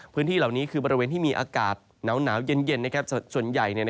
พื้นที่เหล่านี้คือบริเวณที่มีอากาศหนาวเย็นส่วนใหญ่